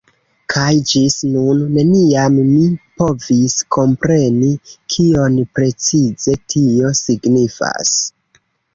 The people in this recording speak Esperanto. Kaj ĝis nun neniam mi povis kompreni kion precize tio signifas.